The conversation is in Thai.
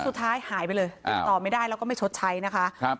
สุดท้ายหายไปเลยติดต่อไม่ได้แล้วก็ไม่ชดใช้นะคะครับ